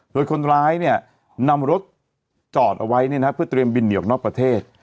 โดยคนร้ายเนี่ยนำรถจอดเอาไว้เนี่ยนะเพื่อเตรียมบินเหนียวนอกประเทศ